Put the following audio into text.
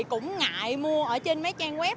cũng ngại mua ở trên mấy trang web